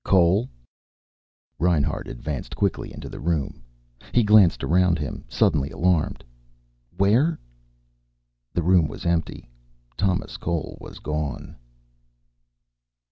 "Cole?" Reinhart advanced quickly into the room. He glanced around him, suddenly alarmed. "Where " The room was empty. Thomas Cole was gone.